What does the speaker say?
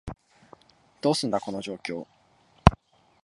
どうすんだ、この状況？